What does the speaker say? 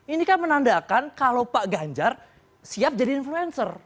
ini kan menandakan kalau pak ganjar siap jadi influencer